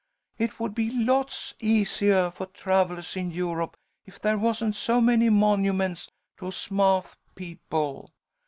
It would be lots easiah for travellers in Europe if there wasn't so many monuments to smaht people.